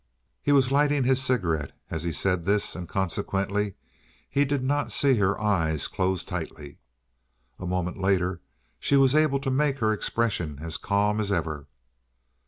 He was lighting his cigarette as he said this, and consequently he did not see her eyes close tightly. A moment later she was able to make her expression as calm as ever.